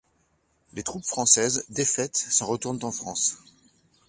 Les troupes françaises, défaites, s'en retournent en France.